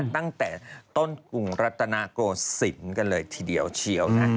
ตั้งแต่ต้นกรุงรัตนโกศิลป์กันเลยทีเดียวเชียวนะ